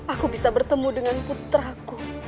aku bisa bertemu dengan putraku